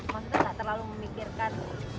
maksudnya enggak terlalu memikirkan